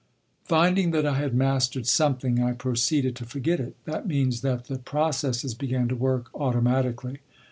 "Finding that I had mastered something, I proceeded to forget it. That means that the processes began to work automatically.